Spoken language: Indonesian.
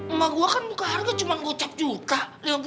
emak gua kan buka harga cuma gocap juta